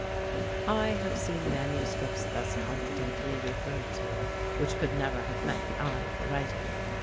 I have seen MSS. thus confidently referred to, which could never have met the eye of the writer.